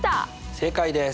正解です！